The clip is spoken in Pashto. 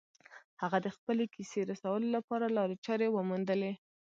هغه د خپلې کیسې رسولو لپاره لارې چارې وموندلې